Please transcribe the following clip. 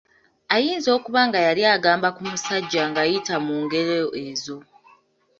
Ayinza okuba nga yali agamba ku musajja ng’ayita mu ngero ezo.